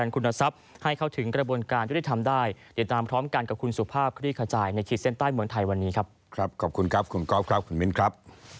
คุณครับขอบคุณครับคุณกรอดครับคุณมีทครับ